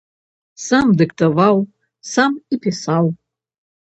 Сам дыктаваў, сам і пісаў.